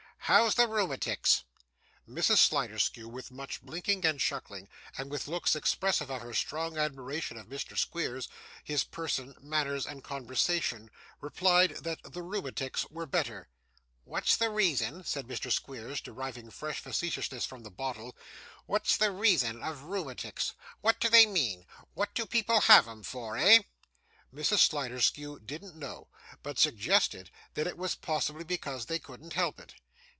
How's the rheumatics?' Mrs. Sliderskew, with much blinking and chuckling, and with looks expressive of her strong admiration of Mr. Squeers, his person, manners, and conversation, replied that the rheumatics were better. 'What's the reason,' said Mr. Squeers, deriving fresh facetiousness from the bottle; 'what's the reason of rheumatics? What do they mean? What do people have'em for eh?' Mrs. Sliderskew didn't know, but suggested that it was possibly because they couldn't help it.